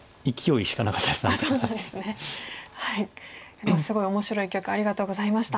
でもすごい面白い一局ありがとうございました。